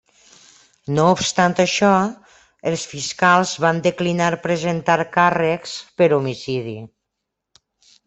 No obstant això, els fiscals van declinar presentar càrrecs per homicidi.